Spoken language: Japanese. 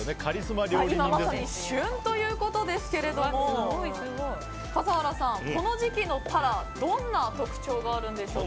今まさに旬ということですけど笠原さん、この時期のタラどんな特徴があるんでしょうか。